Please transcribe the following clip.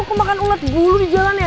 lo kemakan ulat bulu di jalan ya